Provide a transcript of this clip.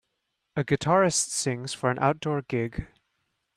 A guitarist sings for an outdoor gig.